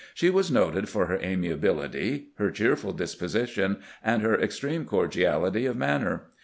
She was noted for her amiability, her cheerful disposition, and her ex treme cordiality of manner.